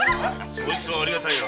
そいつはありがたいな。